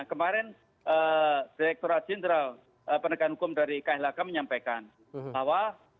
kemarin direkturat jenderal penegahan hukum dari klk menyampaikan bahwa